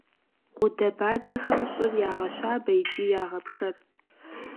Гъудэбадзэхэм щӀыр ягъэщабэ икӏи ягъэпшэр.